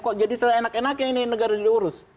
kok jadi seenak enaknya ini negara diurus